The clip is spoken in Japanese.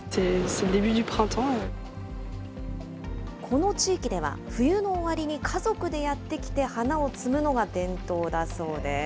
この地域では、冬の終わりに家族でやって来て花を摘むのが伝統だそうです。